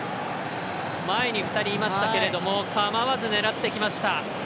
前に２人いましたけれども構わず狙ってきました。